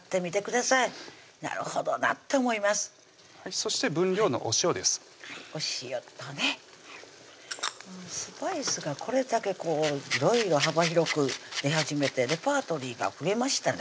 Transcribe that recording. そして分量のお塩ですお塩とねスパイスがこれだけいろいろ幅広く出始めてレパートリーが増えましたね